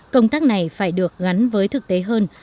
công tác này phải được gắn với thực tế hơn